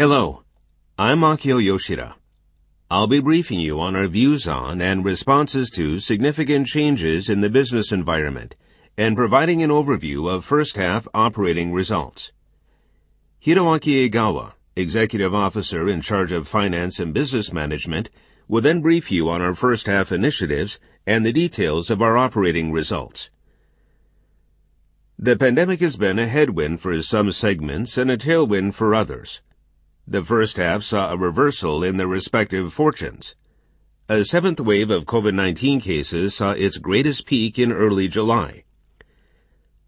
Hello. I'm Akio Yoshida. I'll be briefing you on our views on and responses to significant changes in the business environment and providing an overview of first-half operating results. Hiroaki Egawa, Executive Officer in charge of Finance and Business Management, will then brief you on our first-half initiatives and the details of our operating results. The pandemic has been a headwind for some segments and a tailwind for others. The first-half saw a reversal in their respective fortunes. A seventh wave of COVID-19 cases saw its greatest peak in early July.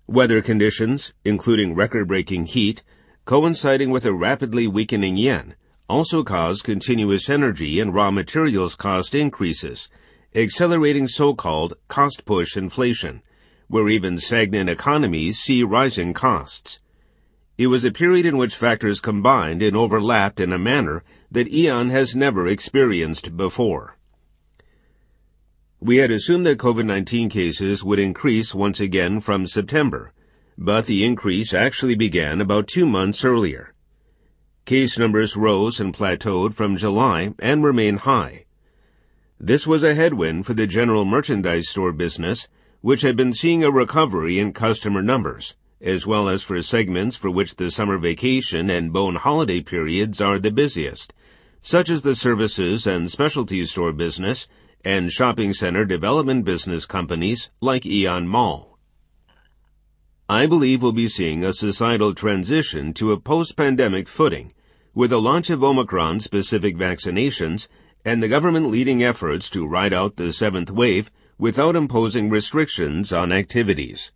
Weather conditions, including record-breaking heat coinciding with a rapidly weakening yen, also caused continuous energy and raw materials cost increases, accelerating so-called cost-push inflation, where even stagnant economies see rising costs. It was a period in which factors combined and overlapped in a manner that AEON has never experienced before. We had assumed that COVID-19 cases would increase once again from September, but the increase actually began about two months earlier. Case numbers rose and plateaued from July and remained high. This was a headwind for the general merchandise store business, which had been seeing a recovery in customer numbers, as well as for segments for which the summer vacation and Bon holiday periods are the busiest, such as the services and specialty store business and shopping center development business companies like AEON Mall. I believe we'll be seeing a societal transition to a post-pandemic footing with the launch of Omicron-specific vaccinations and the government leading efforts to ride out the seventh wave without imposing restrictions on activities.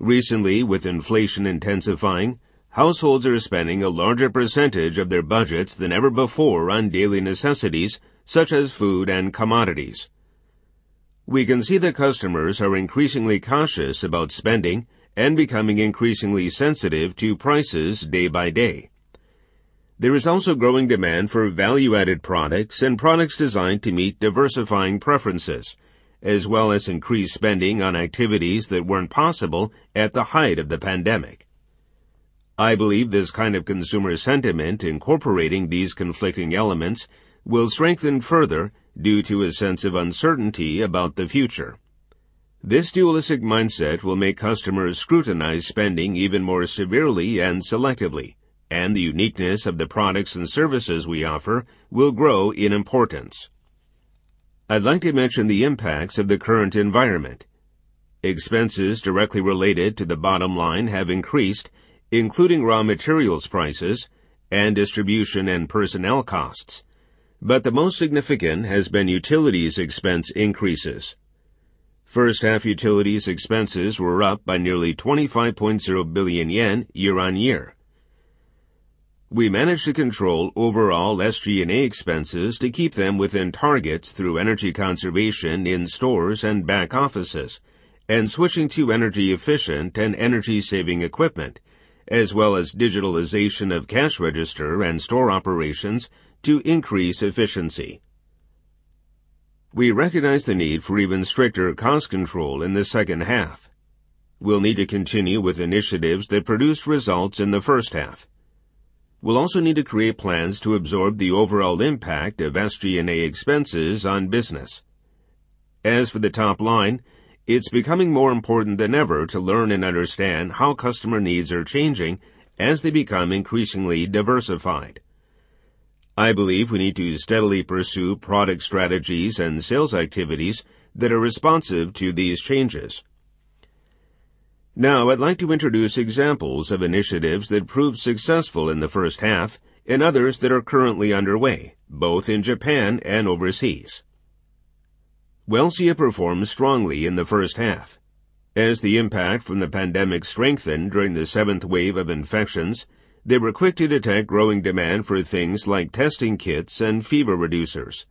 Recently, with inflation intensifying, households are spending a larger percentage of their budgets than ever before on daily necessities such as food and commodities. We can see that customers are increasingly cautious about spending and becoming increasingly sensitive to prices day by day. There is also growing demand for value-added products and products designed to meet diversifying preferences, as well as increased spending on activities that weren't possible at the height of the pandemic. I believe this kind of consumer sentiment incorporating these conflicting elements will strengthen further due to a sense of uncertainty about the future. This dualistic mindset will make customers scrutinize spending even more severely and selectively, and the uniqueness of the products and services we offer will grow in importance. I'd like to mention the impacts of the current environment. Expenses directly related to the bottom line have increased, including raw materials prices and distribution and personnel costs. The most significant has been utilities expense increases. First-half utilities expenses were up by nearly 25.0 billion yen year-on-year. We managed to control overall SG&A expenses to keep them within targets through energy conservation in stores and back offices and switching to energy-efficient and energy-saving equipment, as well as digitalization of cash register and store operations to increase efficiency. We recognize the need for even stricter cost control in the second half. We'll need to continue with initiatives that produced results in the first-half. We'll also need to create plans to absorb the overall impact of SG&A expenses on business. As for the top line, it's becoming more important than ever to learn and understand how customer needs are changing as they become increasingly diversified. I believe we need to steadily pursue product strategies and sales activities that are responsive to these changes. Now I'd like to introduce examples of initiatives that proved successful in the first-half and others that are currently underway, both in Japan and overseas. Welcia performed strongly in the first-half. As the impact from the pandemic strengthened during the seventh wave of infections, they were quick to detect growing demand for things like testing kits and fever reducers.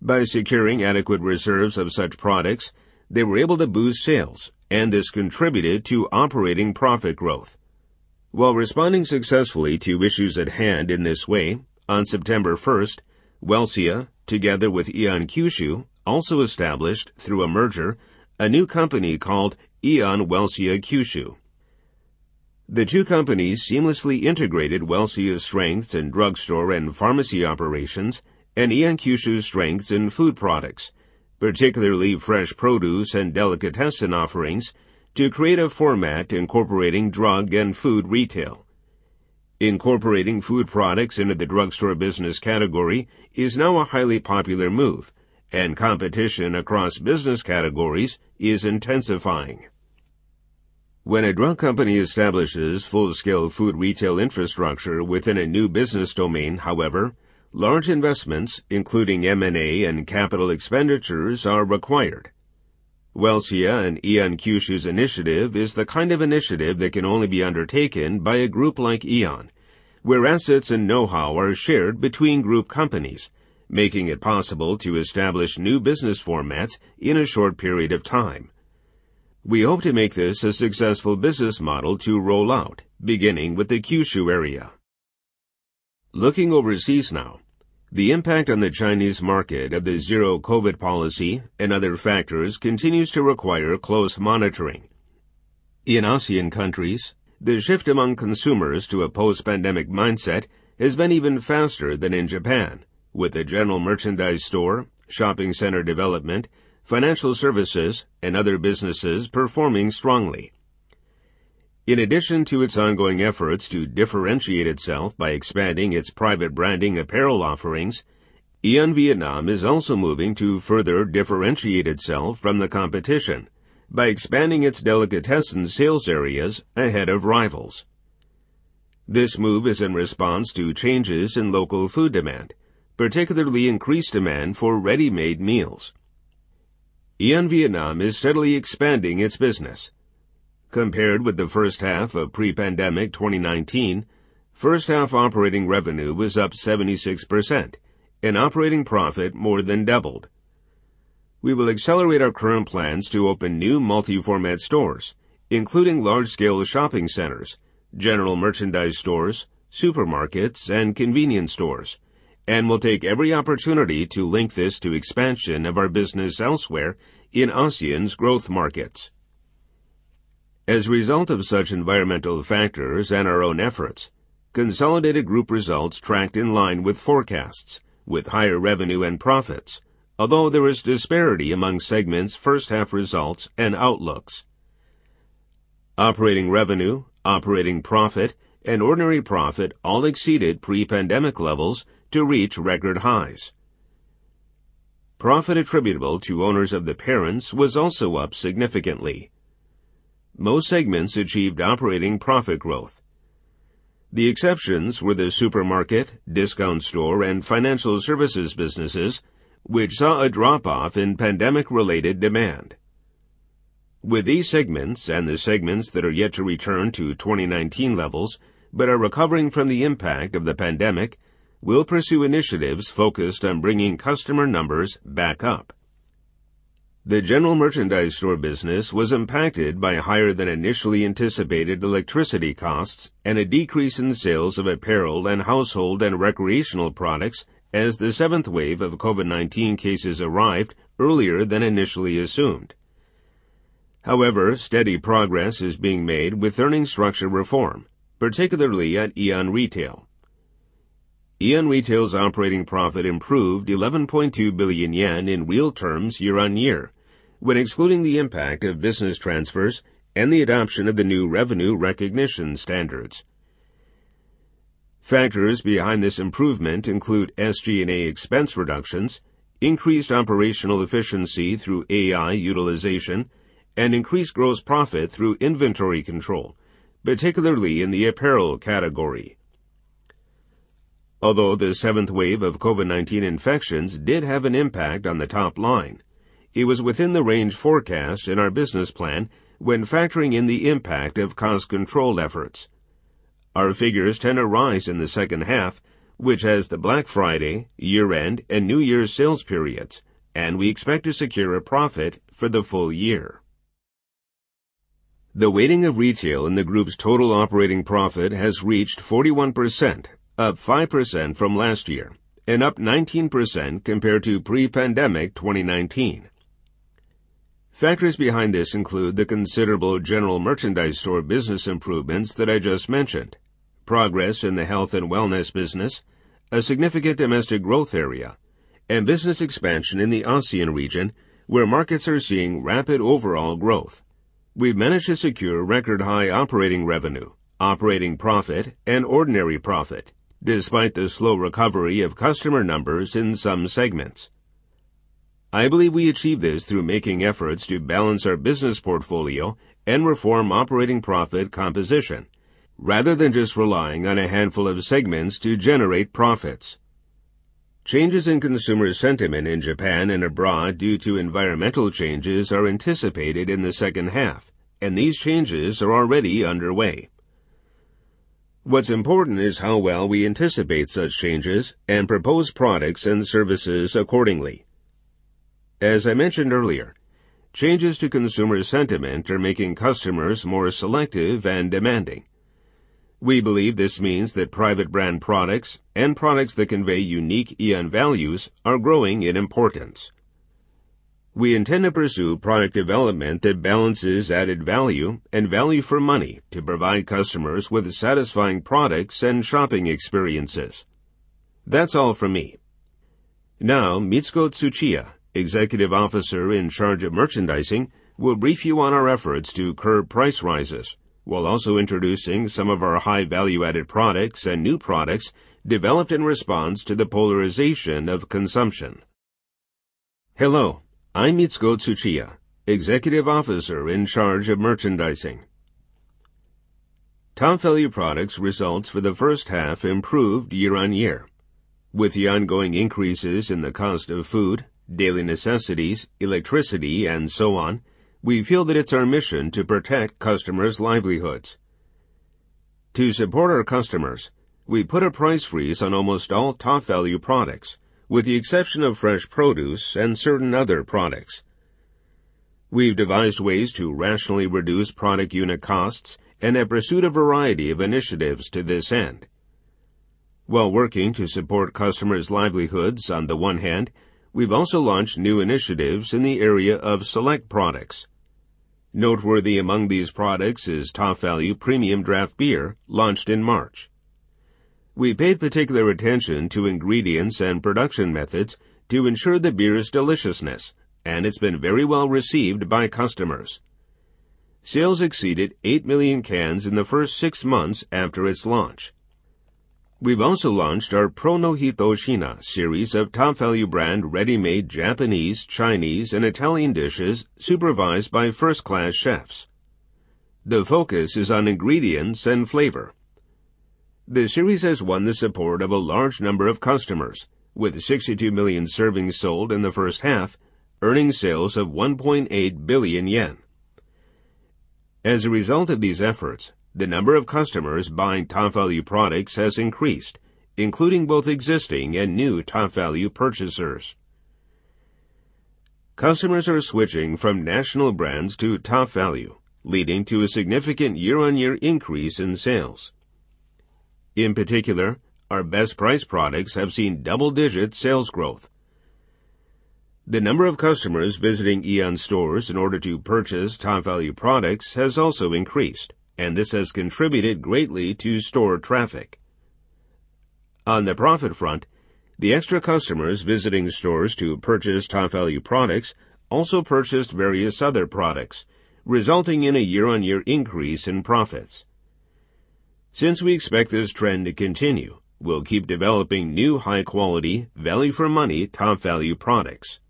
By securing adequate reserves of such products, they were able to boost sales, and this contributed to operating profit growth. While responding successfully to issues at hand in this way, on September first, Welcia, together with AEON Kyushu, also established through a merger a new company called AEON Welcia Kyushu. The two companies seamlessly integrated Welcia's strengths in drugstore and pharmacy operations and AEON Kyushu's strengths in food products, particularly fresh produce and delicatessen offerings, to create a format incorporating drug and food retail. Incorporating food products into the drugstore business category is now a highly popular move, and competition across business categories is intensifying. When a drug company establishes full-scale food retail infrastructure within a new business domain, however, large investments, including M&A and capital expenditures, are required. Welcia and AEON Kyushu's initiative is the kind of initiative that can only be undertaken by a group like AEON, where assets and know-how are shared between group companies, making it possible to establish new business formats in a short period of time. We hope to make this a successful business model to roll out, beginning with the Kyushu area. Looking overseas now, the impact on the Chinese market of the Zero COVID policy and other factors continues to require close monitoring. In ASEAN countries, the shift among consumers to a post-pandemic mindset has been even faster than in Japan, with a general merchandise store, shopping center development, financial services, and other businesses performing strongly. In addition to its ongoing efforts to differentiate itself by expanding its private branding apparel offerings, AEON Vietnam is also moving to further differentiate itself from the competition by expanding its delicatessen sales areas ahead of rivals. This move is in response to changes in local food demand, particularly increased demand for ready-made meals. AEON Vietnam is steadily expanding its business. Compared with the first-half of pre-pandemic 2019, first-half operating revenue was up 76% and operating profit more than doubled. We will accelerate our current plans to open new multi-format stores, including large-scale shopping centers, general merchandise stores, supermarkets and convenience stores, and we'll take every opportunity to link this to expansion of our business elsewhere in ASEAN's growth markets. As a result of such environmental factors and our own efforts, consolidated group results tracked in line with forecasts with higher revenue and profits although there is disparity among segments' first-half results and outlooks. Operating revenue, operating profit, and ordinary profit all exceeded pre-pandemic levels to reach record highs. Profit attributable to owners of the parent was also up significantly. Most segments achieved operating profit growth. The exceptions were the supermarket, discount store, and financial services businesses, which saw a drop off in pandemic-related demand. With these segments and the segments that are yet to return to 2019 levels, but are recovering from the impact of the pandemic, we'll pursue initiatives focused on bringing customer numbers back up. The general merchandise store business was impacted by higher than initially anticipated electricity costs and a decrease in sales of apparel and household and recreational products as the seventh wave of COVID-19 cases arrived earlier than initially assumed. However, steady progress is being made with earnings structure reform, particularly at AEON Retail. AEON Retail's operating profit improved 11.2 billion yen in real terms year-on-year when excluding the impact of business transfers and the adoption of the new revenue recognition standards. Factors behind this improvement include SG&A expense reductions, increased operational efficiency through AI utilization, and increased gross profit through inventory control, particularly in the apparel category. Although the seventh wave of COVID-19 infections did have an impact on the top line, it was within the range forecast in our business plan when factoring in the impact of cost control efforts. Our figures tend to rise in the second half, which has the Black Friday, year-end, and New Year's sales periods, and we expect to secure a profit for the full-year. The weighting of retail in the group's total operating profit has reached 41%, up 5% from last year and up 19% compared to pre-pandemic 2019. Factors behind this include the considerable general merchandise store business improvements that I just mentioned, progress in the health and wellness business, a significant domestic growth area, and business expansion in the ASEAN region where markets are seeing rapid overall growth. We've managed to secure record high operating revenue, operating profit, and ordinary profit despite the slow recovery of customer numbers in some segments. I believe we achieve this through making efforts to balance our business portfolio and reform operating profit composition rather than just relying on a handful of segments to generate profits. Changes in consumer sentiment in Japan and abroad due to environmental changes are anticipated in the second half, and these changes are already underway. What's important is how well we anticipate such changes and propose products and services accordingly. As I mentioned earlier, changes to consumer sentiment are making customers more selective and demanding. We believe this means that private brand products and products that convey unique AEON values are growing in importance. We intend to pursue product development that balances added value and value for money to provide customers with satisfying products and shopping experiences. That's all from me. Now, Mitsuko Tsuchiya, Executive Officer in charge of Merchandising, will brief you on our efforts to curb price rises while also introducing some of our high value-added products and new products developed in response to the polarization of consumption. Hello, I'm Mitsuko Tsuchiya, Executive Officer in charge of Merchandising. TOPVALU products results for the first-half improved year-on-year. With the ongoing increases in the cost of food, daily necessities, electricity, and so on, we feel that it's our mission to protect customers' livelihoods. To support our customers, we put a price freeze on almost all TOPVALU products with the exception of fresh produce and certain other products. We've devised ways to rationally reduce product unit costs and have pursued a variety of initiatives to this end. While working to support customers' livelihoods on the one hand, we've also launched new initiatives in the area of select products. Noteworthy among these products is TOPVALU Premium Draft Beer, launched in March. We paid particular attention to ingredients and production methods to ensure the beer's deliciousness, and it's been very well-received by customers. Sales exceeded 8 million cans in the first 6 months after its launch. We've also launched our Pro no Hitoshina series of TOPVALU brand ready-made Japanese, Chinese, and Italian dishes supervised by first-class chefs. The focus is on ingredients and flavor. The series has won the support of a large number of customers, with 62 million servings sold in the first-half, earning sales of 1.8 billion yen. As a result of these efforts, the number of customers buying TOPVALU products has increased, including both existing and new TOPVALU purchasers. Customers are switching from national brands to TOPVALU, leading to a significant year-on-year increase in sales. In particular, our TOPVALU Best Price products have seen double-digit sales growth. The number of customers visiting AEON stores in order to purchase TOPVALU products has also increased, and this has contributed greatly to store traffic. On the profit front, the extra customers visiting stores to purchase TOPVALU products also purchased various other products, resulting in a year-on-year increase in profits. Since we expect this trend to continue, we'll keep developing new high-quality, value-for-money TOPVALU products.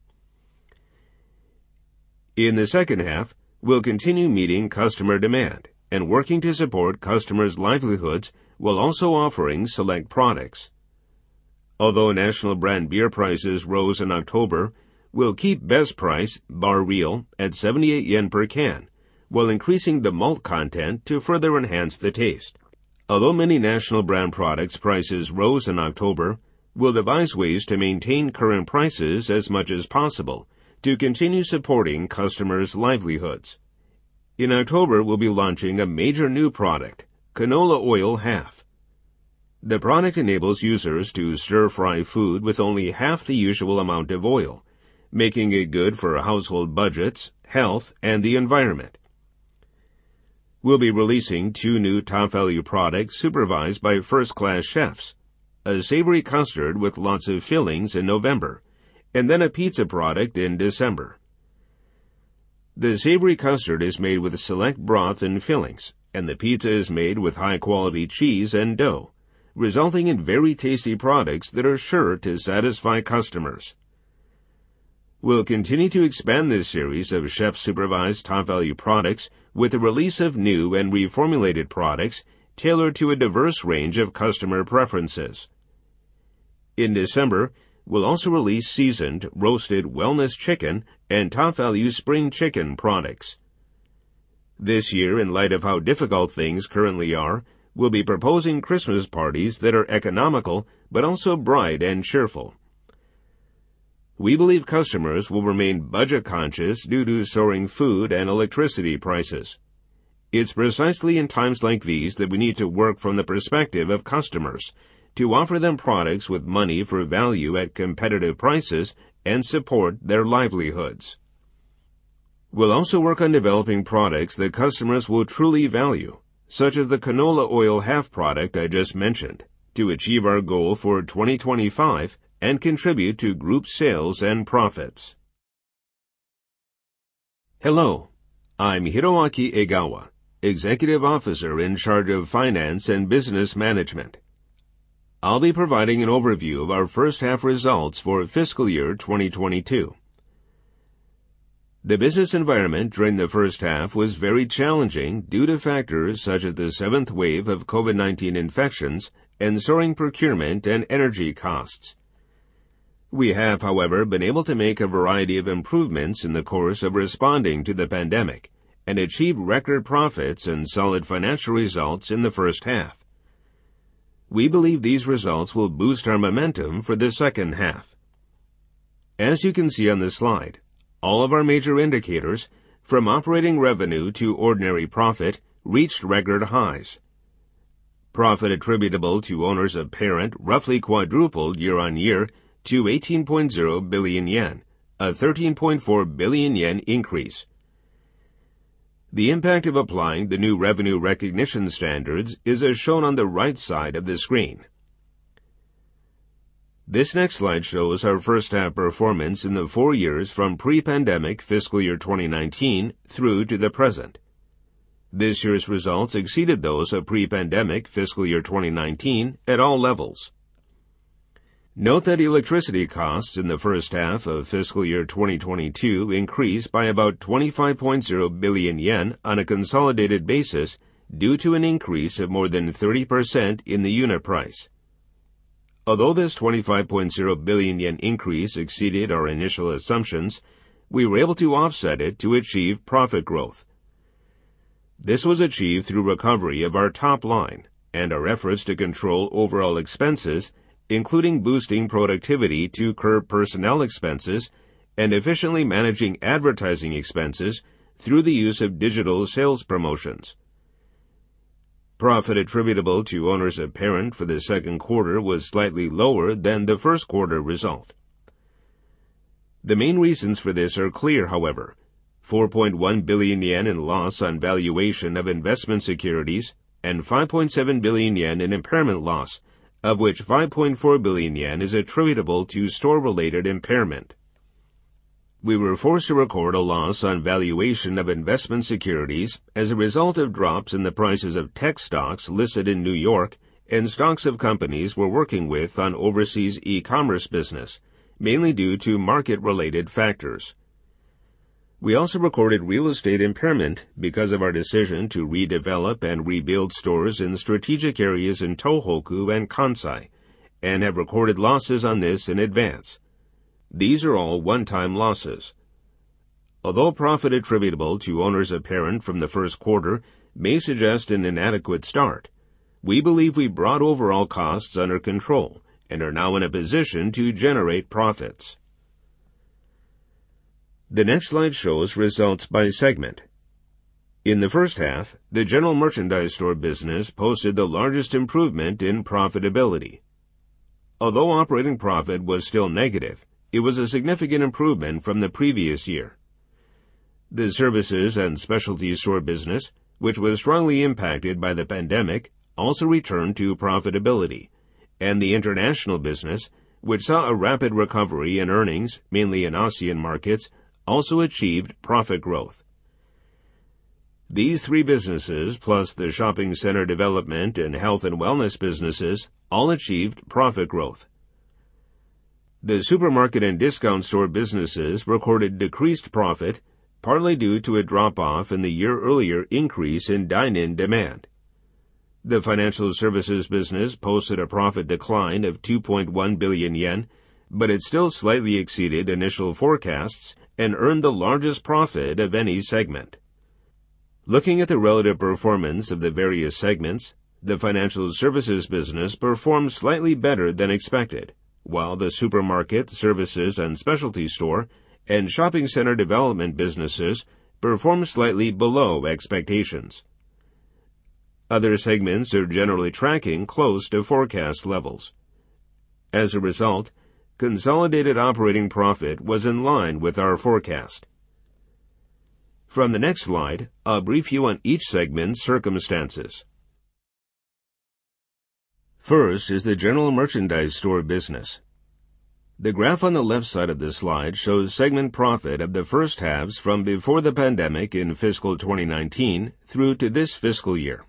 In the second half, we'll continue meeting customer demand and working to support customers' livelihoods while also offering select products. Although national brand beer prices rose in October, we'll keep Best Price Barreal at 78 yen per can while increasing the malt content to further enhance the taste. Although many national brand product prices rose in October, we'll devise ways to maintain current prices as much as possible to continue supporting customers' livelihoods. In October, we'll be launching a major new product, Canola Oil Half. The product enables users to stir-fry food with only half the usual amount of oil, making it good for household budgets, health, and the environment. We'll be releasing two new TOPVALU products supervised by first-class chefs, a savory custard with lots of fillings in November, and then a pizza product in December. The savory custard is made with select broth and fillings, and the pizza is made with high-quality cheese and dough, resulting in very tasty products that are sure to satisfy customers. We'll continue to expand this series of chef-supervised TOPVALU products with the release of new and reformulated products tailored to a diverse range of customer preferences. In December, we'll also release seasoned roasted wellness chicken and TOPVALU spring chicken products. This year, in light of how difficult things currently are, we'll be proposing Christmas parties that are economical but also bright and cheerful. We believe customers will remain budget-conscious due to soaring food and electricity prices. It's precisely in times like these that we need to work from the perspective of customers to offer them products with value for money at competitive prices and support their livelihoods. We'll also work on developing products that customers will truly value, such as the Canola Oil Half product I just mentioned, to achieve our goal for 2025 and contribute to group sales and profits. Hello, I'm Hiroaki Egawa, Executive Officer in charge of Finance and Business Management. I'll be providing an overview of our first-half results for fiscal year 2022. The business environment during the first-half was very challenging due to factors such as the seventh wave of COVID-19 infections and soaring procurement and energy costs. We have, however, been able to make a variety of improvements in the course of responding to the pandemic and achieve record profits and solid financial results in the first-half. We believe these results will boost our momentum for the second half. As you can see on this slide, all of our major indicators, from operating revenue to ordinary profit, reached record highs. Profit attributable to owners of parent roughly quadrupled year-on-year to 18.0 billion yen, a 13.4 billion yen increase. The impact of applying the new revenue recognition standards is as shown on the right side of the screen. This next slide shows our first-half performance in the four years from pre-pandemic fiscal year 2019 through to the present. This year's results exceeded those of pre-pandemic fiscal year 2019 at all levels. Note that electricity costs in the first-half of fiscal year 2022 increased by about 25.0 billion yen on a consolidated basis due to an increase of more than 30% in the unit price. Although this 25.0 billion yen increase exceeded our initial assumptions, we were able to offset it to achieve profit growth. This was achieved through recovery of our top line and our efforts to control overall expenses and including boosting productivity to curb personnel expenses and efficiently managing advertising expenses through the use of digital sales promotions. Profit attributable to owners of parent for the second quarter was slightly lower than the first quarter result. The main reasons for this are clear, however. 4.1 billion yen in loss on valuation of investment securities and 5.7 billion yen in impairment loss, of which 5.4 billion yen is attributable to store-related impairment. We were forced to record a loss on valuation of investment securities as a result of drops in the prices of tech stocks listed in New York and stocks of companies we're working with on overseas e-commerce business, mainly due to market-related factors. We also recorded real estate impairment because of our decision to redevelop and rebuild stores in strategic areas in Tohoku and Kansai and have recorded losses on this in advance. These are all one-time losses. Although profit attributable to owners of parent from the first quarter may suggest an inadequate start, we believe we brought overall costs under control and are now in a position to generate profits. The next slide shows results by segment. In the first-half, the general merchandise store business posted the largest improvement in profitability. Although operating profit was still negative, it was a significant improvement from the previous year. The services and specialty store business, which was strongly impacted by the pandemic, also returned to profitability. The international business, which saw a rapid recovery in earnings, mainly in ASEAN markets, also achieved profit growth. These three businesses, plus the shopping center development and health and wellness businesses, all achieved profit growth. The supermarket and discount store businesses recorded decreased profit, partly due to a drop-off in the year-earlier increase in dine-in demand. The financial services business posted a profit decline of 2.1 billion yen, but it still slightly exceeded initial forecasts and earned the largest profit of any segment. Looking at the relative performance of the various segments, the financial services business performed slightly better than expected, while the supermarket, services and specialty store, and shopping center development businesses performed slightly below expectations. Other segments are generally tracking close to forecast levels. As a result, consolidated operating profit was in line with our forecast. From the next slide, a brief view on each segment's circumstances. First is the general merchandise store business. The graph on the left side of this slide shows segment profit of the first halves from before the pandemic in fiscal 2019 through to this fiscal year.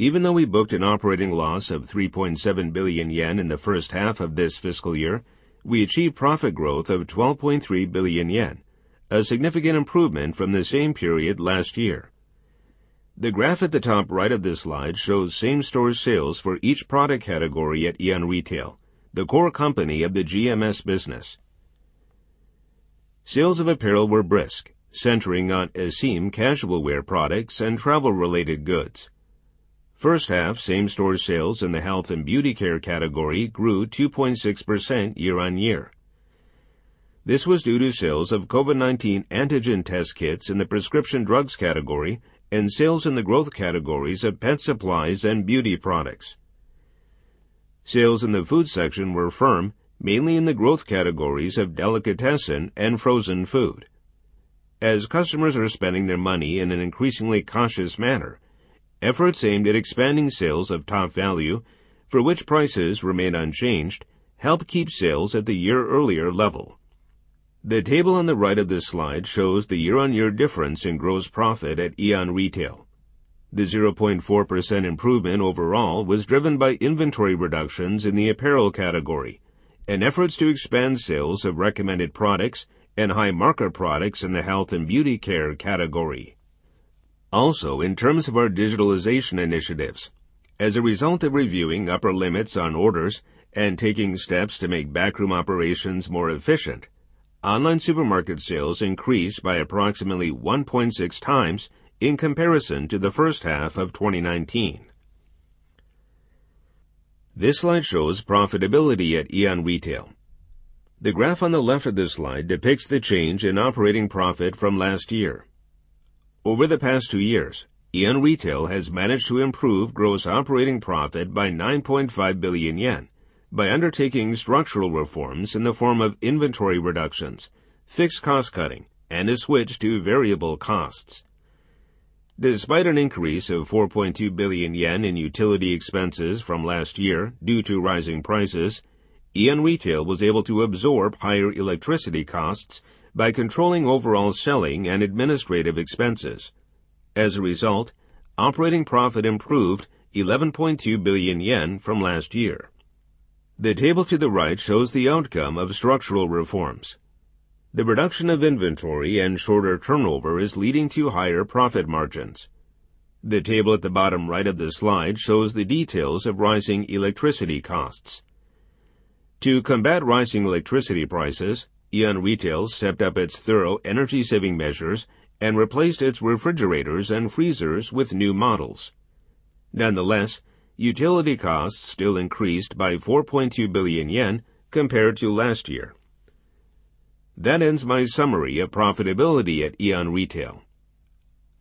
Even though we booked an operating loss of 3.7 billion yen in the first-half of this fiscal year, we achieved profit growth of 12.3 billion yen, a significant improvement from the same period last year. The graph at the top right of this slide shows same-store sales for each product category at AEON Retail, the core company of the GMS business. Sales of apparel were brisk, centering on iC innercasual wear products and travel-related goods. first-half same-store sales in the health and beauty care category grew 2.6% year-on-year. This was due to sales of COVID-19 antigen test kits in the prescription drugs category and sales in the growth categories of pet supplies and beauty products. Sales in the food section were firm, mainly in the growth categories of delicatessen and frozen food. As customers are spending their money in an increasingly cautious manner, efforts aimed at expanding sales of TOPVALU, for which prices remained unchanged, helped keep sales at the year-earlier level. The table on the right of this slide shows the year-on-year difference in gross profit at AEON Retail. The 0.4% improvement overall was driven by inventory reductions in the apparel category and efforts to expand sales of recommended products and high-margin products in the health and beauty care category. Also, in terms of our digitalization initiatives, as a result of reviewing upper limits on orders and taking steps to make backroom operations more efficient, online supermarket sales increased by approximately 1.6x in comparison to the first-half of 2019. This slide shows profitability at AEON Retail. The graph on the left of this slide depicts the change in operating profit from last year. Over the past two years, AEON Retail has managed to improve gross operating profit by 9.5 billion yen by undertaking structural reforms in the form of inventory reductions, fixed cost cutting, and a switch to variable costs. Despite an increase of 4.2 billion yen in utility expenses from last year due to rising prices, AEON Retail was able to absorb higher electricity costs by controlling overall selling and administrative expenses. As a result, operating profit improved 11.2 billion yen from last year. The table to the right shows the outcome of structural reforms. The reduction of inventory and shorter turnover is leading to higher profit margins. The table at the bottom right of the slide shows the details of rising electricity costs. To combat rising electricity prices, AEON Retail stepped up its thorough energy-saving measures and replaced its refrigerators and freezers with new models. Nonetheless, utility costs still increased by 4.2 billion yen compared to last year. That ends my summary of profitability at AEON Retail.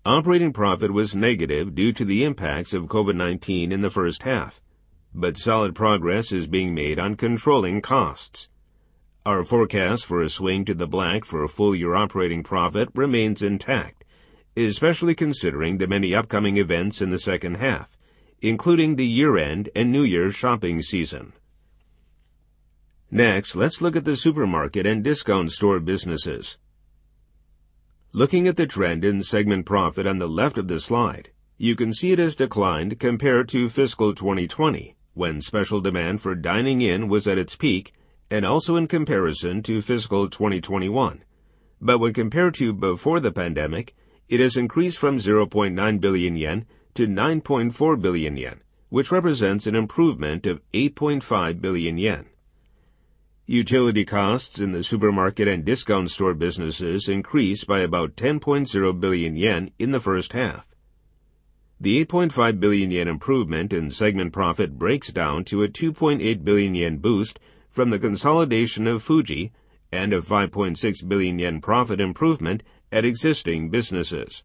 Operating profit was negative due to the impacts of COVID-19 in the first-half, but solid progress is being made on controlling costs. Our forecast for a swing to the black for a full-year operating profit remains intact, especially considering the many upcoming events in the second half, including the year-end and New Year's shopping season. Next, let's look at the supermarket and discount store businesses. Looking at the trend in segment profit on the left of the slide, you can see it has declined compared to fiscal 2020, when special demand for dining in was at its peak, and also in comparison to fiscal 2021. When compared to before the pandemic, it has increased from 0.9 billion-9.4 billion yen, which represents an improvement of 8.5 billion yen. Utility costs in the supermarket and discount store businesses increased by about 10.0 billion yen in the first-half. The 8.5 billion yen improvement in segment profit breaks down to a 2.8 billion yen boost from the consolidation of Fuji and a 5.6 billion yen profit improvement at existing businesses.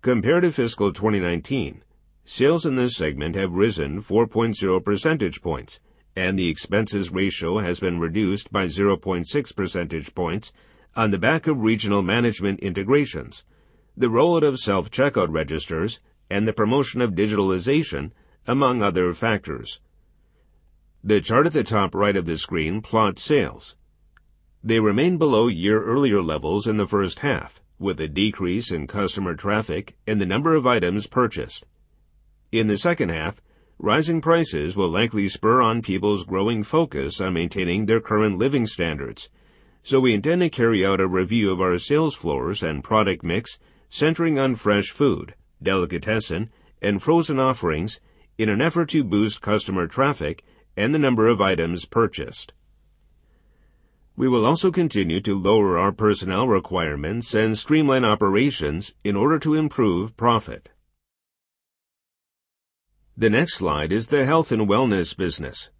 Compared to fiscal 2019, sales in this segment have risen 4.0 percentage points, and the expenses ratio has been reduced by 0.6 percentage points on the back of regional management integrations, the rollout of self-checkout registers, and the promotion of digitalization, among other factors. The chart at the top right of the screen plots sales. They remain below year earlier levels in the first-half, with a decrease in customer traffic and the number of items purchased. In the second half, rising prices will likely spur on people's growing focus on maintaining their current living standards. We intend to carry out a review of our sales floors and product mix centering on fresh food, delicatessen, and frozen offerings in an effort to boost customer traffic and the number of items purchased. We will also continue to lower our personnel requirements and streamline operations in order to improve profit. The next slide is the health and wellness business.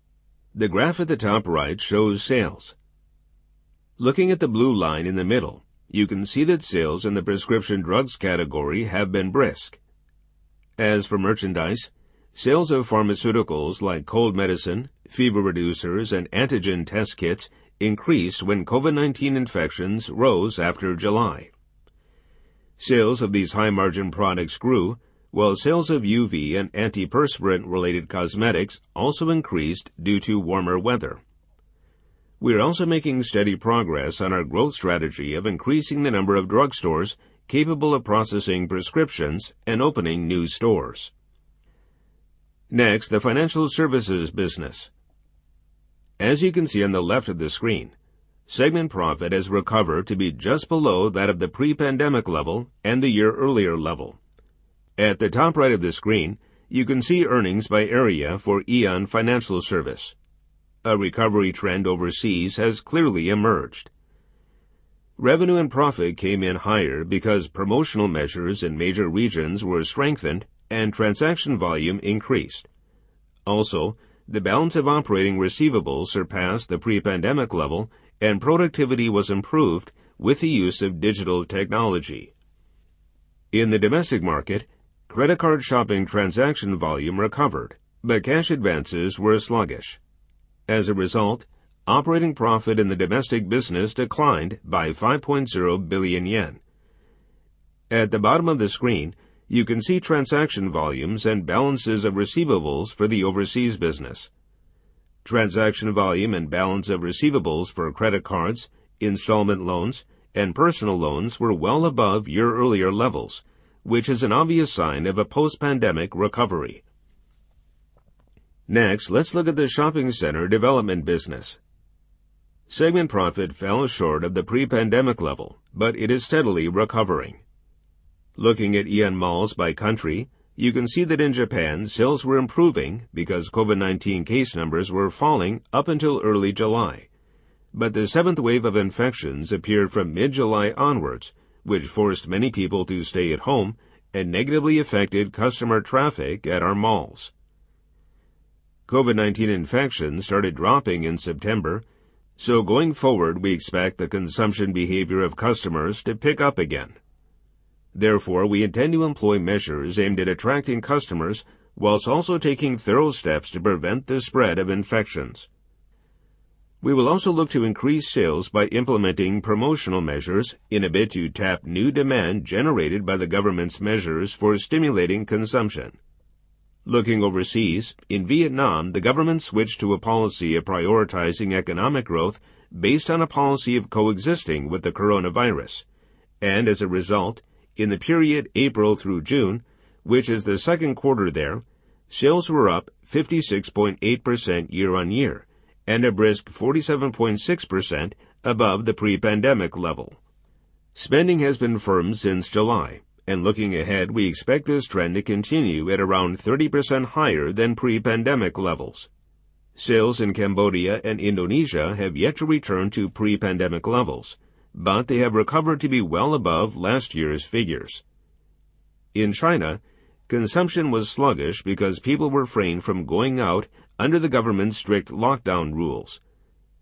The graph at the top right shows sales. Looking at the blue line in the middle, you can see that sales in the prescription drugs category have been brisk. As for merchandise, sales of pharmaceuticals like cold medicine, fever reducers, and antigen test kits increased when COVID-19 infections rose after July. Sales of these high-margin products grew, while sales of UV and antiperspirant-related cosmetics also increased due to warmer weather. We are also making steady progress on our growth strategy of increasing the number of drugstores capable of processing prescriptions and opening new stores. Next, the financial services business. As you can see on the left of the screen, segment profit has recovered to be just below that of the pre-pandemic level and the year earlier level. At the top right of the screen, you can see earnings by area for AEON Financial Service. A recovery trend overseas has clearly emerged. Revenue and profit came in higher because promotional measures in major regions were strengthened and transaction volume increased. Also, the balance of operating receivables surpassed the pre-pandemic level and productivity was improved with the use of digital technology. In the domestic market, credit card shopping transaction volume recovered, but cash advances were sluggish. As a result, operating profit in the domestic business declined by 5.0 billion yen. At the bottom of the screen, you can see transaction volumes and balances of receivables for the overseas business. Transaction volume and balance of receivables for credit cards, installment loans, and personal loans were well above year-earlier levels, which is an obvious sign of a post-pandemic recovery. Next, let's look at the shopping center development business. Segment profit fell short of the pre-pandemic level, but it is steadily recovering. Looking at AEON malls by country, you can see that in Japan, sales were improving because COVID-19 case numbers were falling up until early July. The seventh wave of infections appeared from mid-July onwards, which forced many people to stay at home and negatively affected customer traffic at our malls. COVID-19 infections started dropping in September, so going forward, we expect the consumption behavior of customers to pick up again. Therefore, we intend to employ measures aimed at attracting customers while also taking thorough steps to prevent the spread of infections. We will also look to increase sales by implementing promotional measures in a bid to tap new demand generated by the government's measures for stimulating consumption. Looking overseas, in Vietnam, the government switched to a policy of prioritizing economic growth based on a policy of coexisting with the coronavirus. As a result, in the period April through June, which is the second quarter there, sales were up 56.8% year-on-year and a brisk 47.6% above the pre-pandemic level. Spending has been firm since July, and looking ahead, we expect this trend to continue at around 30% higher than pre-pandemic levels. Sales in Cambodia and Indonesia have yet to return to pre-pandemic levels, but they have recovered to be well above last year's figures. In China, consumption was sluggish because people refrained from going out under the government's strict lockdown rules.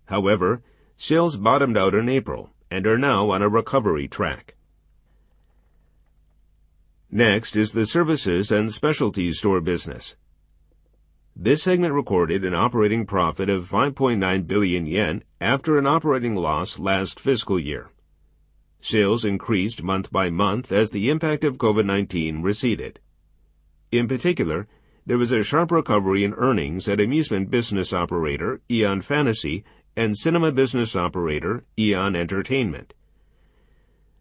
However, sales bottomed out in April and are now on a recovery track. Next is the services and specialty store business. This segment recorded an operating profit of 5.9 billion yen after an operating loss last fiscal year. Sales increased month-by-month as the impact of COVID-19 receded. In particular, there was a sharp recovery in earnings at amusement business operator AEON Fantasy and cinema business operator AEON Entertainment.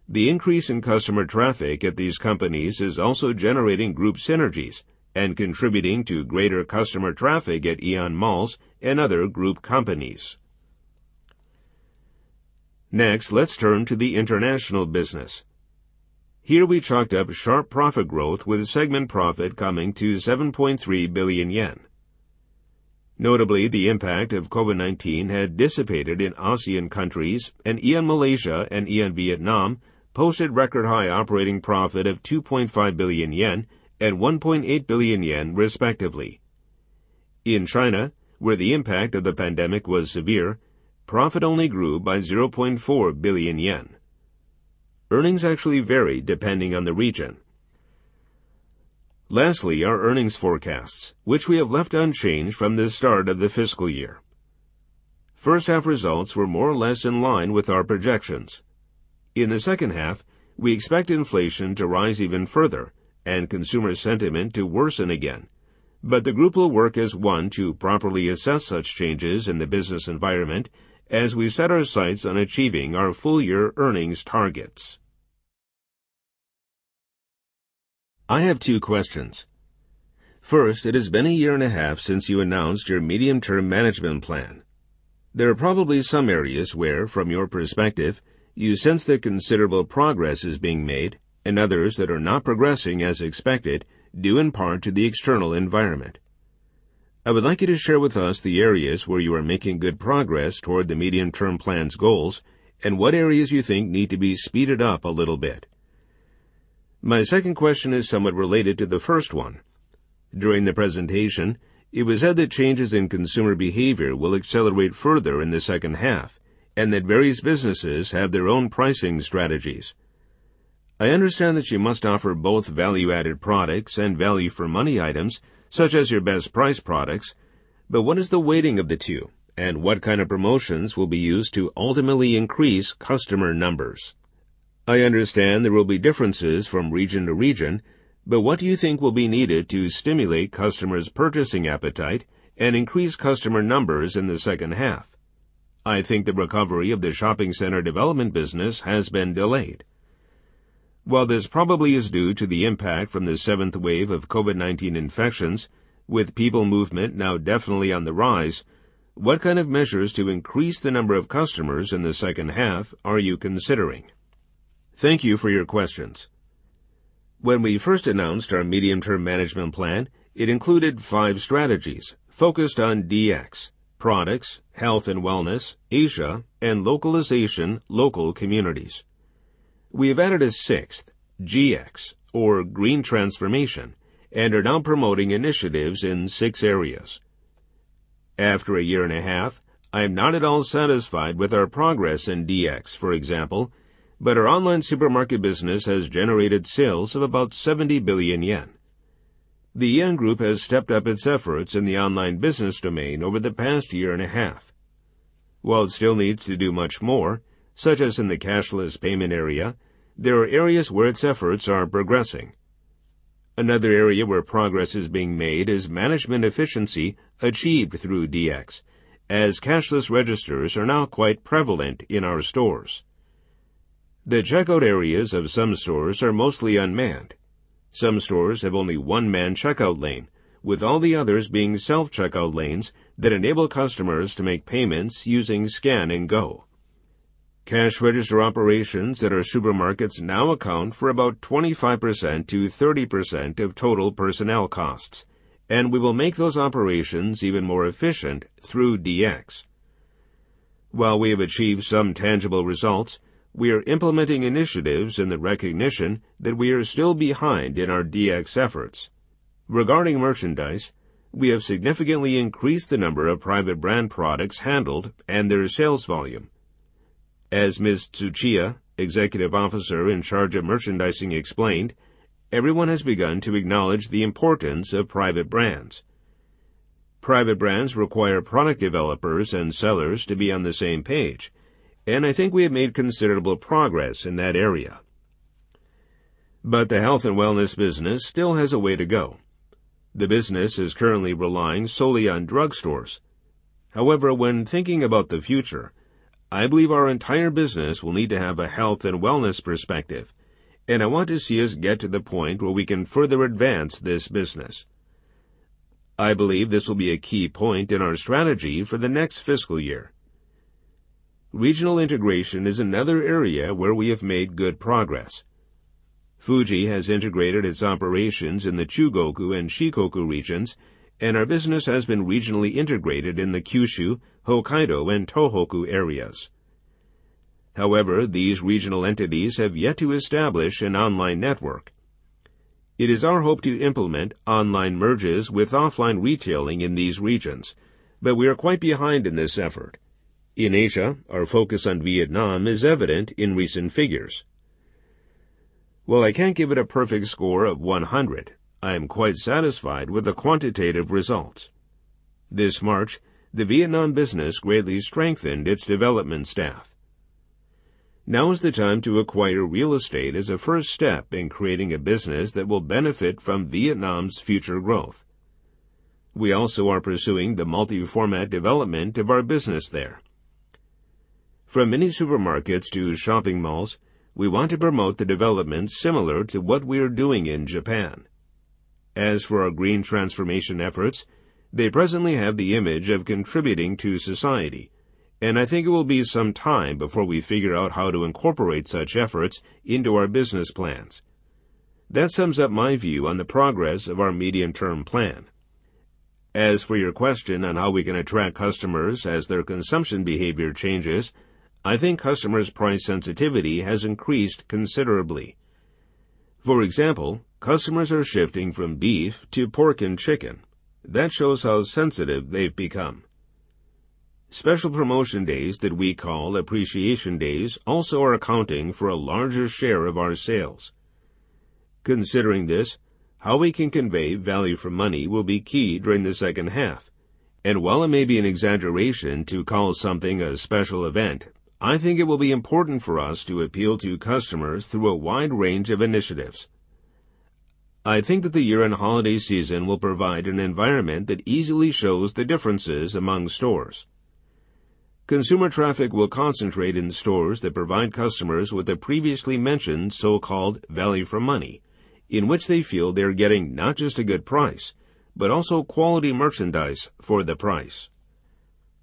The increase in customer traffic at these companies is also generating group synergies and contributing to greater customer traffic at AEON Malls and other group companies. Next, let's turn to the international business. Here we chalked up sharp profit growth with segment profit coming to 7.3 billion yen. Notably, the impact of COVID-19 had dissipated in ASEAN countries and AEON Malaysia and AEON Vietnam posted record high operating profit of 2.5 billion yen and 1.8 billion yen respectively. In China, where the impact of the pandemic was severe, profit only grew by 0.4 billion yen. Earnings actually vary depending on the region. Lastly, our earnings forecasts, which we have left unchanged from the start of the fiscal year. First-half results were more or less in line with our projections. In the second half, we expect inflation to rise even further and consumer sentiment to worsen again. The group will work as one to properly assess such changes in the business environment as we set our sights on achieving our full-year earnings targets. I have two questions. First, it has been a year and a half since you announced your medium-term management plan. There are probably some areas where, from your perspective, you sense that considerable progress is being made and others that are not progressing as expected due in part to the external environment. I would like you to share with us the areas where you are making good progress toward the medium-term plan's goals and what areas you think need to be speeded up a little bit. My second question is somewhat related to the first one. During the presentation, it was said that changes in consumer behavior will accelerate further in the second half and that various businesses have their own pricing strategies. I understand that you must offer both value-added products and value-for-money items, such as your best price products, but what is the weighting of the two, and what kind of promotions will be used to ultimately increase customer numbers? I understand there will be differences from region to region, but what do you think will be needed to stimulate customers' purchasing appetite and increase customer numbers in the second half? I think the recovery of the shopping center development business has been delayed. While this probably is due to the impact from the seventh wave of COVID-19 infections, with people movement now definitely on the rise, what kind of measures to increase the number of customers in the second half are you considering? Thank you for your questions. When we first announced our medium-term management plan, it included five strategies focused on DX, products, health and wellness, Asia, and localization, local communities. We have added a sixth, GX, or green transformation, and are now promoting initiatives in six areas. After a year and a half, I am not at all satisfied with our progress in DX, for example, but our online supermarket business has generated sales of about 70 billion yen. The AEON Group has stepped up its efforts in the online business domain over the past year and a half. While it still needs to do much more, such as in the cashless payment area, there are areas where its efforts are progressing. Another area where progress is being made is management efficiency achieved through DX, as cashless registers are now quite prevalent in our stores. The checkout areas of some stores are mostly unmanned. Some stores have only one manned checkout lane, with all the others being self-checkout lanes that enable customers to make payments using scan-and-go. Cash register operations at our supermarkets now account for about 25%-30% of total personnel costs, and we will make those operations even more efficient through DX. While we have achieved some tangible results, we are implementing initiatives in the recognition that we are still behind in our DX efforts. Regarding merchandise, we have significantly increased the number of private brand products handled and their sales volume. As Ms. Tsuchiya, Executive Officer, Merchandising, explained, everyone has begun to acknowledge the importance of private brands. Private brands require product developers and sellers to be on the same page, and I think we have made considerable progress in that area. The health and wellness business still has a way to go. The business is currently relying solely on drugstores. However, when thinking about the future, I believe our entire business will need to have a health and wellness perspective, and I want to see us get to the point where we can further advance this business. I believe this will be a key point in our strategy for the next fiscal year. Regional integration is another area where we have made good progress. Fuji has integrated its operations in the Chugoku and Shikoku regions, and our business has been regionally integrated in the Kyushu, Hokkaido, and Tohoku areas. However, these regional entities have yet to establish an online network. It is our hope to implement online merges with offline retailing in these regions, but we are quite behind in this effort. In Asia, our focus on Vietnam is evident in recent figures. While I can't give it a perfect score of 100, I am quite satisfied with the quantitative results. This March, the Vietnam business greatly strengthened its development staff. Now is the time to acquire real estate as a first step in creating a business that will benefit from Vietnam's future growth. We also are pursuing the multi-format development of our business there. From many supermarkets to shopping malls, we want to promote the development similar to what we are doing in Japan. As for our green transformation efforts, they presently have the image of contributing to society, and I think it will be some time before we figure out how to incorporate such efforts into our business plans. That sums up my view on the progress of our medium-term plan. As for your question on how we can attract customers as their consumption behavior changes, I think customers' price sensitivity has increased considerably. For example, customers are shifting from beef to pork and chicken. That shows how sensitive they've become. Special promotion days that we call Appreciation Days also are accounting for a larger share of our sales. Considering this, how we can convey value for money will be key during the second half. While it may be an exaggeration to call something a special event, I think it will be important for us to appeal to customers through a wide range of initiatives. I think that the year-end holiday season will provide an environment that easily shows the differences among stores. Consumer traffic will concentrate in stores that provide customers with the previously mentioned so-called value for money, in which they feel they are getting not just a good price, but also quality merchandise for the price.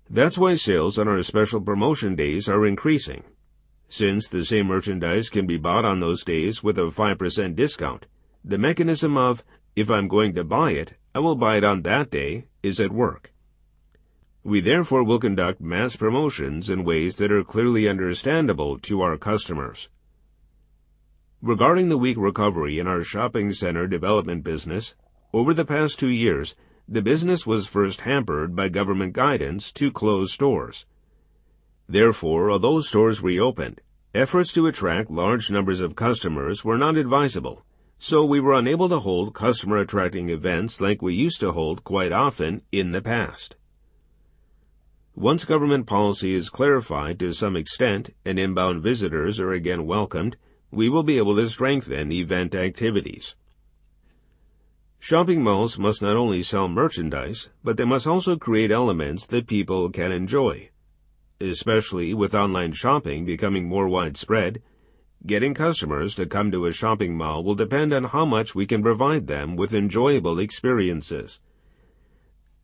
That's why sales on our special promotion days are increasing. Since the same merchandise can be bought on those days with a 5% discount, the mechanism of, "If I'm going to buy it, I will buy it on that day," is at work. We therefore will conduct mass promotions in ways that are clearly understandable to our customers. Regarding the weak recovery in our shopping center development business, over the past two years, the business was first hampered by government guidance to close stores. Therefore, although stores reopened, efforts to attract large numbers of customers were not advisable, so we were unable to hold customer-attracting events like we used to hold quite often in the past. Once government policy is clarified to some extent and inbound visitors are again welcomed, we will be able to strengthen event activities. Shopping malls must not only sell merchandise, but they must also create elements that people can enjoy. Especially with online shopping becoming more widespread, getting customers to come to a shopping mall will depend on how much we can provide them with enjoyable experiences.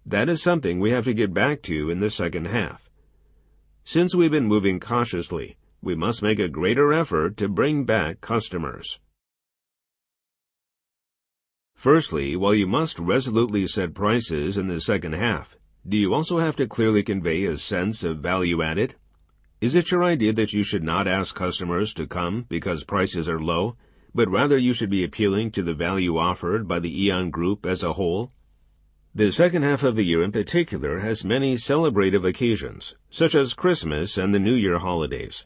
That is something we have to get back to in the second half. Since we've been moving cautiously, we must make a greater effort to bring back customers. First, while you must resolutely set prices in the second half, do you also have to clearly convey a sense of value added? Is it your idea that you should not ask customers to come because prices are low, but rather you should be appealing to the value offered by the AEON Group as a whole? The second half of the year in particular has many celebratory occasions, such as Christmas and the New Year holidays.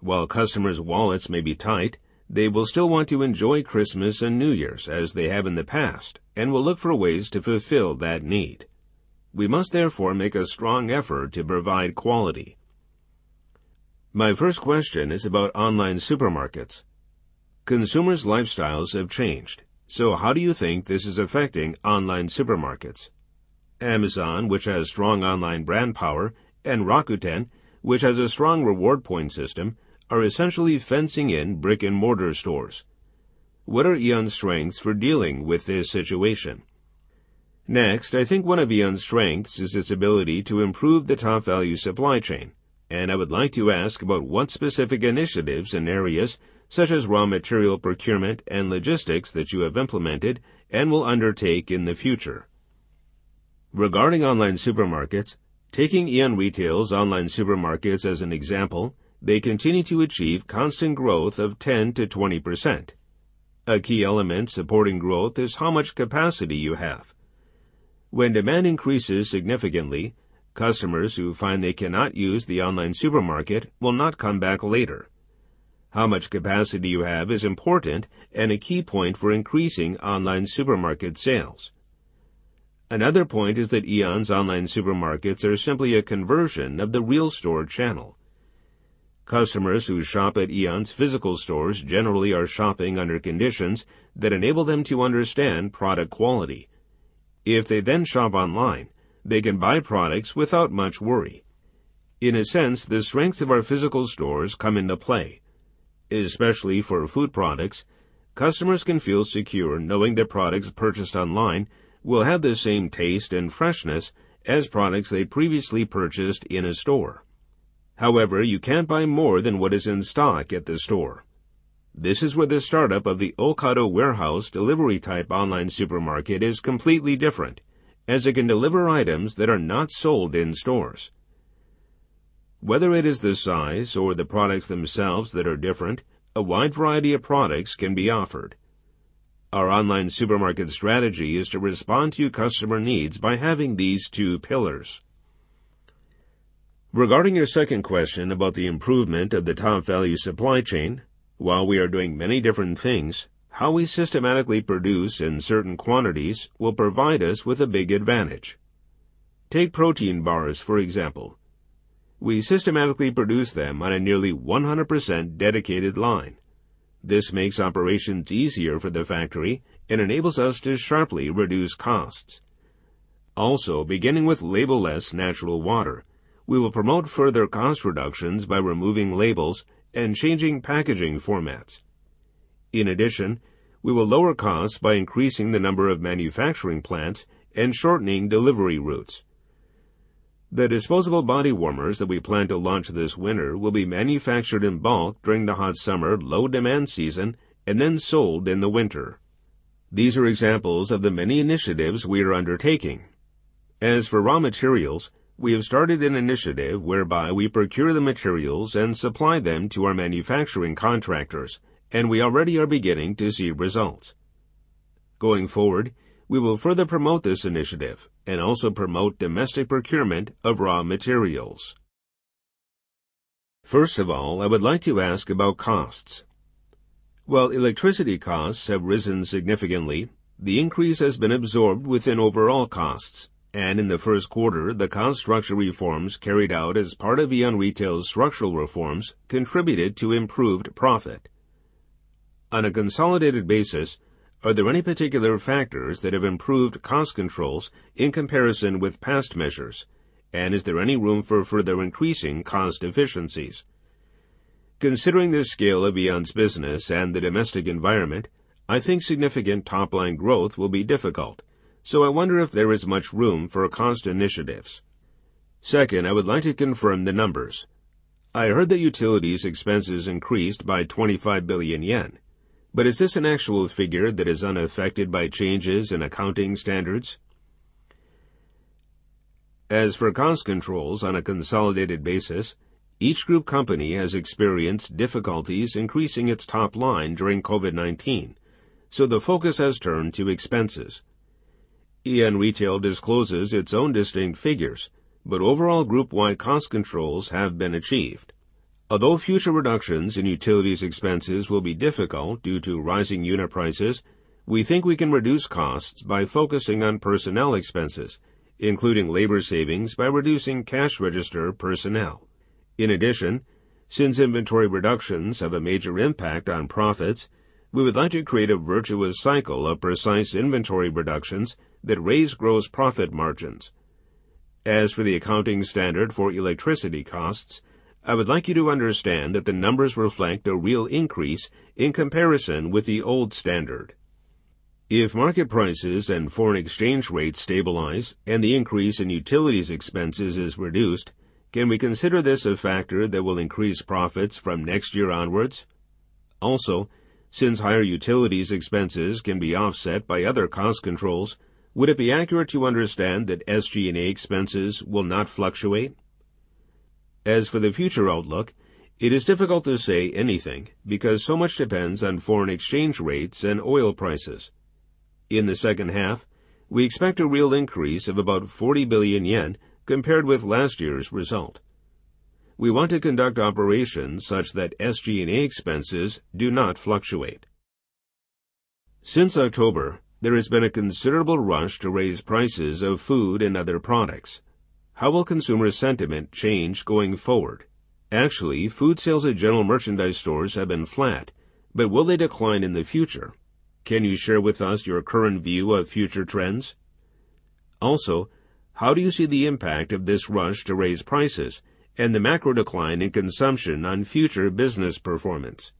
While customers' wallets may be tight, they will still want to enjoy Christmas and New Year's as they have in the past and will look for ways to fulfill that need. We must therefore make a strong effort to provide quality. My first question is about online supermarkets. Consumers' lifestyles have changed, so how do you think this is affecting online supermarkets? Amazon, which has strong online brand power, and Rakuten, which has a strong reward point system, are essentially fencing in brick-and-mortar stores. What are AEON's strengths for dealing with this situation? Next, I think one of AEON's strengths is its ability to improve the TOPVALU supply chain, and I would like to ask about what specific initiatives and areas, such as raw material procurement and logistics that you have implemented and will undertake in the future. Regarding online supermarkets, taking AEON Retail's online supermarkets as an example, they continue to achieve constant growth of 10%-20%. A key element supporting growth is how much capacity you have. When demand increases significantly, customers who find they cannot use the online supermarket will not come back later. How much capacity you have is important and a key point for increasing online supermarket sales. Another point is that AEON's online supermarkets are simply a conversion of the real store channel. Customers who shop at AEON's physical stores generally are shopping under conditions that enable them to understand product quality. If they then shop online, they can buy products without much worry. In a sense, the strengths of our physical stores come into play. Especially for food products, customers can feel secure knowing their products purchased online will have the same taste and freshness as products they previously purchased in a store. However, you can't buy more than what is in stock at the store. This is where the startup of the Ocado warehouse delivery type online supermarket is completely different as it can deliver items that are not sold in stores. Whether it is the size or the products themselves that are different, a wide variety of products can be offered. Our online supermarket strategy is to respond to customer needs by having these two pillars. Regarding your second question about the improvement of the TOPVALU supply chain, while we are doing many different things, how we systematically produce in certain quantities will provide us with a big advantage. Take protein bars, for example. We systematically produce them on a nearly 100% dedicated line. This makes operations easier for the factory and enables us to sharply reduce costs. Also, beginning with label-less natural water, we will promote further cost reductions by removing labels and changing packaging formats. In addition, we will lower costs by increasing the number of manufacturing plants and shortening delivery routes. The disposable body warmers that we plan to launch this winter will be manufactured in bulk during the hot summer low demand season and then sold in the winter. These are examples of the many initiatives we are undertaking. As for raw materials, we have started an initiative whereby we procure the materials and supply them to our manufacturing contractors, and we already are beginning to see results. Going forward, we will further promote this initiative and also promote domestic procurement of raw materials. First of all, I would like to ask about costs. While electricity costs have risen significantly, the increase has been absorbed within overall costs. In the first quarter, the cost structure reforms carried out as part of AEON Retail's structural reforms contributed to improved profit. On a consolidated basis, are there any particular factors that have improved cost controls in comparison with past measures? Is there any room for further increasing cost efficiencies? Considering the scale of AEON's business and the domestic environment, I think significant top-line growth will be difficult, so I wonder if there is much room for cost initiatives. Second, I would like to confirm the numbers. I heard that utilities expenses increased by 25 billion yen. Is this an actual figure that is unaffected by changes in accounting standards? As for cost controls on a consolidated basis, each group company has experienced difficulties increasing its top line during COVID-19, so the focus has turned to expenses. AEON Retail discloses its own distinct figures, but overall group-wide cost controls have been achieved. Although future reductions in utilities expenses will be difficult due to rising unit prices, we think we can reduce costs by focusing on personnel expenses, including labor savings by reducing cash register personnel. In addition, since inventory reductions have a major impact on profits, we would like to create a virtuous cycle of precise inventory reductions that raise gross profit margins. As for the accounting standard for electricity costs, I would like you to understand that the numbers reflect a real increase in comparison with the old standard. If market prices and foreign exchange rates stabilize and the increase in utilities expenses is reduced, can we consider this a factor that will increase profits from next year onwards? Also, since higher utilities expenses can be offset by other cost controls, would it be accurate to understand that SG&A expenses will not fluctuate? As for the future outlook, it is difficult to say anything because so much depends on foreign exchange rates and oil prices. In the second half, we expect a real increase of about 40 billion yen compared with last year's result. We want to conduct operations such that SG&A expenses do not fluctuate. Since October, there has been a considerable rush to raise prices of food and other products. How will consumer sentiment change going forward? Actually, food sales at general merchandise stores have been flat, but will they decline in the future? Can you share with us your current view of future trends? Also, how do you see the impact of this rush to raise prices and the macro decline in consumption on future business performance?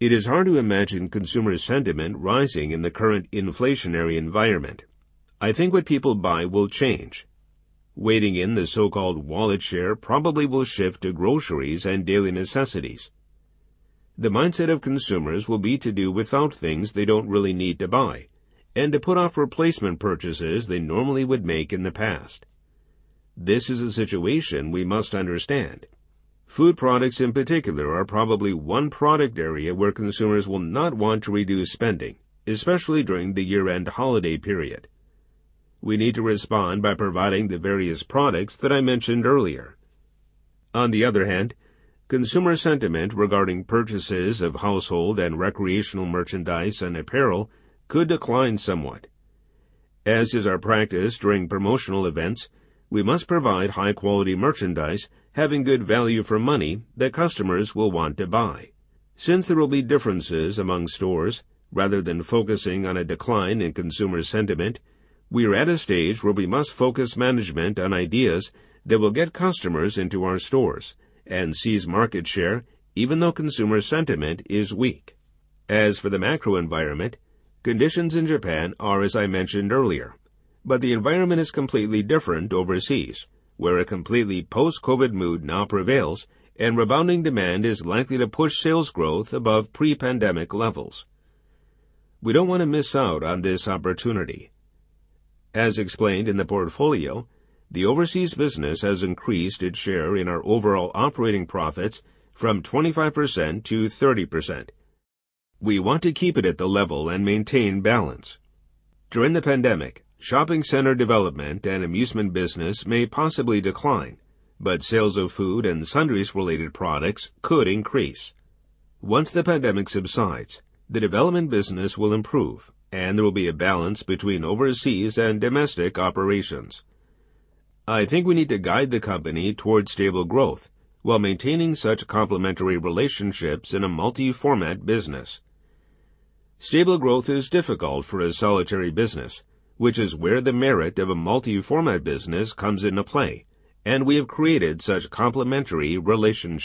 It is hard to imagine consumer sentiment rising in the current inflationary environment. I think what people buy will change. Weighting in the so-called wallet share probably will shift to groceries and daily necessities. The mindset of consumers will be to do without things they don't really need to buy and to put off replacement purchases they normally would make in the past. This is a situation we must understand. Food products, in particular, are probably one product area where consumers will not want to reduce spending, especially during the year-end holiday period. We need to respond by providing the various products that I mentioned earlier. On the other hand, consumer sentiment regarding purchases of household and recreational merchandise and apparel could decline somewhat. As is our practice during promotional events, we must provide high-quality merchandise, having good value for money that customers will want to buy. Since there will be differences among stores, rather than focusing on a decline in consumer sentiment, we are at a stage where we must focus management on ideas that will get customers into our stores and seize market share even though consumer sentiment is weak. As for the macro environment, conditions in Japan are, as I mentioned earlier. The environment is completely different overseas, where a completely post-COVID mood now prevails and rebounding demand is likely to push sales growth above pre-pandemic levels. We don't want to miss out on this opportunity. As explained in the portfolio, the overseas business has increased its share in our overall operating profits from 25%-30%. We want to keep it at the level and maintain balance. During the pandemic, shopping center development and amusement business may possibly decline, but sales of food and sundries related products could increase. Once the pandemic subsides, the development business will improve, and there will be a balance between overseas and domestic operations. I think we need to guide the company towards stable growth while maintaining such complementary relationships in a multi-format business. Stable growth is difficult for a solitary business, which is where the merit of a multi-format business comes into play, and we have created such complementary relationships.